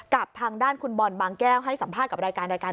กับทางด้านคุณบอลบางแก้วให้สัมภาษณ์กับรายการรายการ